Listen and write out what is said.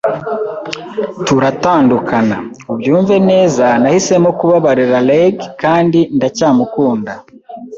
turatandukana. Ubyumve neza, nahisemo kubabarira Reg kandi ndacyamukunda